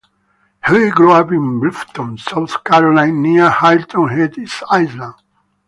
He grew up in Bluffton, South Carolina, near Hilton Head Island.